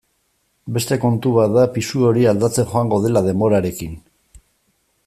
Beste kontu bat da pisu hori aldatzen joango dela denborarekin.